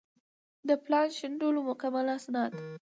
د پلان شنډولو مکمل اسناد